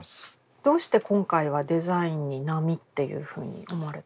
どうして今回はデザインに波っていうふうに思われたんですか？